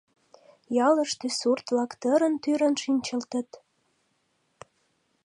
Ялыште сурт-влак тырын-тӱрын шинчылтыт.